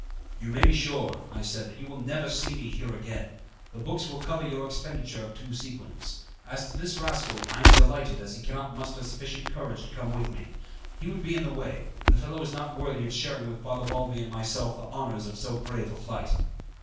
"You may be sure," I said, "that you will never see me here again. The books will cover your expenditure of two sequins. As to this rascal, I am delighted, as he cannot muster sufficient courage to come with me. He would be in the way, and the fellow is not worthy of sharing with Father Balbi and myself the honours of so brave a flight."